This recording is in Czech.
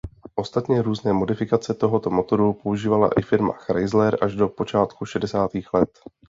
Ostatně různé modifikace tohoto motoru používala i firma Chrysler až do počátku šedesátých let.